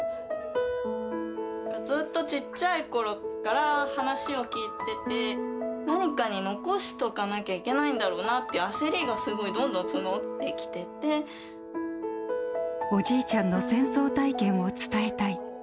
ずっとちっちゃいころから話を聞いてて、何かに残しとかなきゃいけないんだろうなって、焦りがすごい、おじいちゃんの戦争体験を伝えたい。